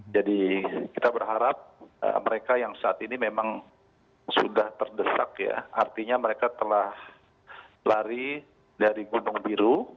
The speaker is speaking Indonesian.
jadi kita berharap mereka yang saat ini memang sudah terdesak ya artinya mereka telah lari dari gunung biru